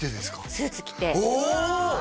スーツ着てお！